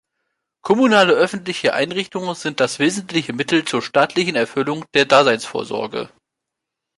Kommunale öffentliche Einrichtungen sind das wesentliche Mittel zur staatlichen Erfüllung der Daseinsvorsorge.